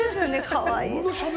かわいい！